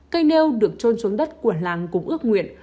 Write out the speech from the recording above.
cây nêu được trôn xuống đất của làng cũng ước nguyện